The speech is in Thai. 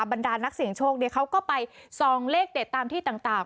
บรรดานักเสี่ยงโชคเขาก็ไปส่องเลขเด็ดตามที่ต่าง